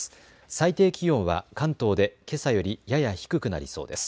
最低気温は関東でけさよりやや低くなりそうです。